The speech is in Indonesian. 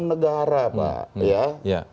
lembaga hukum negara